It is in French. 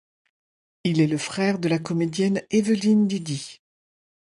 Il est le frère de la comédienne Évelyne Didi.